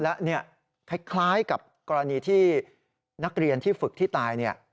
และคล้ายกับกรณีที่นักเรียนที่ฝึกที่ตาย